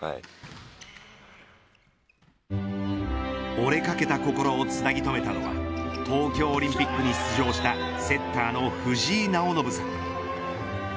折れかけた心をつなぎとめたのは東京オリンピックに出場したセッターの藤井直伸さん。